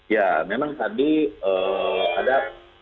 ya memang tadi ada